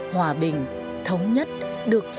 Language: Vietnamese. hòa bình thống nhất được trở về nhà